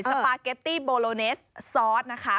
สปาเกตตี้โบโลเนสซอสนะคะ